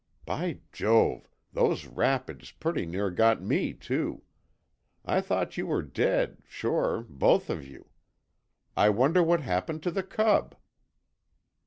By Jove! those rapids pretty near got ME, too. I thought you were dead, sure both of you. I wonder what happened to the cub?"